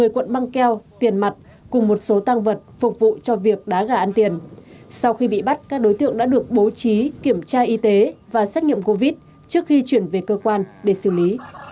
một mươi cuộn băng keo tiền mặt cùng một số tăng vật phục vụ cho việc đá gà ăn tiền sau khi bị bắt các đối tượng đã được bố trí kiểm tra y tế và xét nghiệm covid trước khi chuyển về cơ quan để xử lý